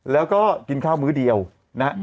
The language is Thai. แล้วก็กินข้าวมื้อเดียวนะฮะ